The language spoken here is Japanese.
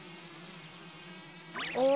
お？